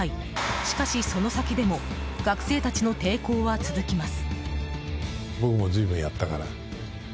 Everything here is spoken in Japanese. しかし、その先でも学生たちの抵抗は続きます。